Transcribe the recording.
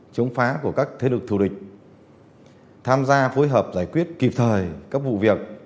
chống phá của các thế lực thù địch tham gia phối hợp giải quyết kịp thời các vụ việc